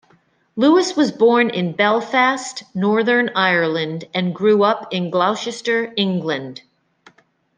Lewis was born in Belfast, Northern Ireland and grew up in Gloucester, England.